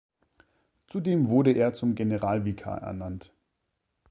Zudem wurde er zum Generalvikar ernannt.